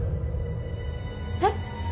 えっ？